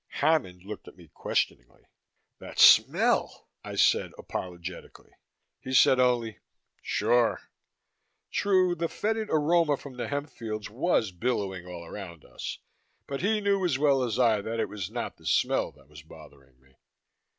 Hammond looked at me questioningly. "That smell," I said apologetically. He said only, "Sure." True, the fetid aroma from the hemp fields was billowing all around us, but he knew as well as I that it was not the smell that was bothering me.